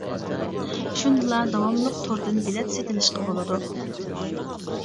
شۇندىلا داۋاملىق توردىن بېلەت سېتىلىشقا بولىدۇ.